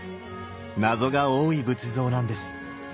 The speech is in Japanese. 謎が多い仏像なんです。